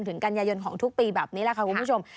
ถึงกันยายนของทุกปีแบบนี้แหละค่ะคุณผู้ชม